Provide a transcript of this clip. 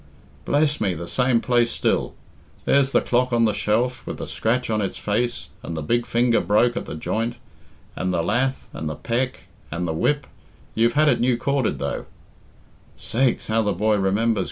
"Bless me! the same place still. There's the clock on the shelf, with the scratch on its face and the big finger broke at the joint, and the lath and the peck and the whip you've had it new corded, though " "'Sakes, how the boy remembers!"